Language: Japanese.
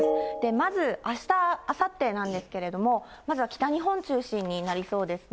まず、あした、あさってなんですけれども、まずは北日本中心になりそうですね。